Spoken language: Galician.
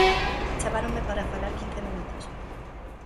Chamáronme para falar quince minutos.